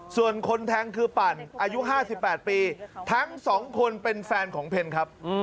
ส่วนคนแทงคือปั่นอายุ๕๘ปีทั้ง๒คนเป็นแฟนของเพนครับ